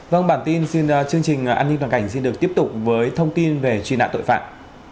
vâng bản tin chương trình an ninh toàn cảnh xin được tiếp tục với thông tin về truy nã tội phạm